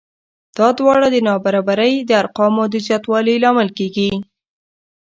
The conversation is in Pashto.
دا دواړه د نابرابرۍ د ارقامو د زیاتوالي لامل کېږي